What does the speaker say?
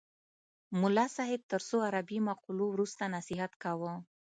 ملا صاحب تر څو عربي مقولو وروسته نصیحت کاوه.